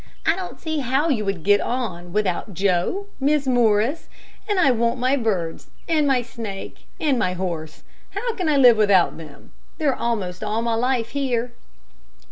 I don't see how you would get on without Joe, Miss Morris, and I want my birds, and my snake, and my horse how can I live without them? They're almost all my life here."